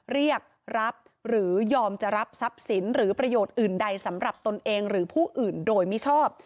เรียกรับหรือยอมจะรับทรัพย์สินหรือประโยชน์อื่นใดสำหรับตนเองหรือผู้อื่นโดยมิชอบ